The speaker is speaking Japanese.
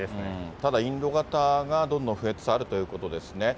ただ、インド型がどんどん増えつつあるということですね。